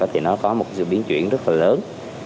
thì nó có một sự biến chuyển rất là lớn